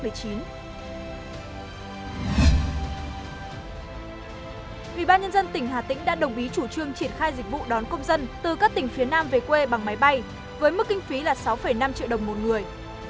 ủy ban nhân dân tỉnh hà tĩnh đã đồng ý chủ trương triển khai dịch vụ đón công dân từ các tỉnh phía nam về quê bằng máy bay với mức kinh phí là sáu năm triệu đồng một người